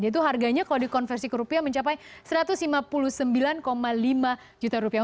yaitu harganya kalau dikonversi ke rupiah mencapai satu ratus lima puluh sembilan lima juta rupiah